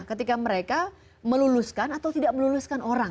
ketika mereka meluluskan atau tidak meluluskan orang